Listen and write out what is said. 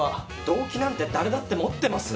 「動機なんて誰だって持ってます！」